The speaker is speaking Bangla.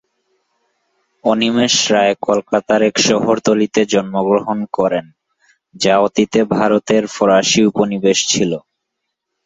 অনিমেষ রায় কলকাতার এক শহরতলিতে জন্মগ্রহণ করেন, যা অতীতে ভারতের ফরাসি উপনিবেশ ছিল।